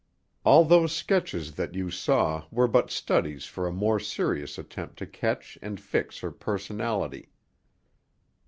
All those sketches that you saw were but studies for a more serious attempt to catch and fix her personality.